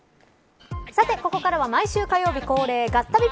さてここからは毎週火曜日恒例ガッタビ！！